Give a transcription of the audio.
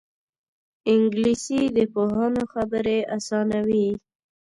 انګلیسي د پوهانو خبرې اسانوي